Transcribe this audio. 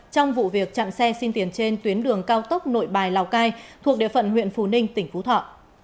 trong vụ việc chặn xe xin tiền trên tuyến đường cao tốc nội bài lào cai thuộc địa phận huyện phù ninh tỉnh phú thọ